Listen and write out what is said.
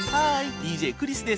ＤＪクリスです。